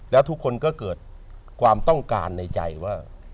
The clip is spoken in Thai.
แล้วทุกคนก็เกิดความต้องการในใจว่า